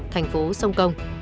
thành phố sông công